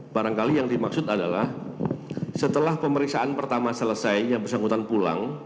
barangkali yang dimaksud adalah setelah pemeriksaan pertama selesai yang bersangkutan pulang